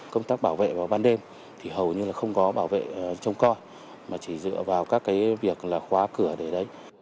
công tác bảo vệ vào ban đêm thì hầu như là không có bảo vệ trông coi mà chỉ dựa vào các cái việc là khóa cửa để đấy